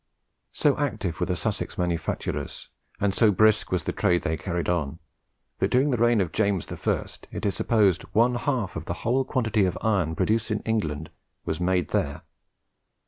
So active were the Sussex manufacturers, and so brisk was the trade they carried on, that during the reign of James I. it is supposed one half of the whole quantity of iron produced in England was made there.